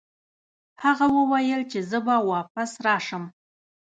هغه وویل چې زه به واپس راشم.